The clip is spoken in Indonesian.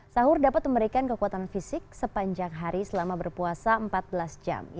sahur dapat memberikan kekuatan fisik sepanjang hari selama berpuasa empat belas jam